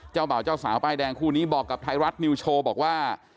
เบาเจ้าสาวป้ายแดงคู่นี้บอกกับไทยรัฐนิวโชว์บอกว่า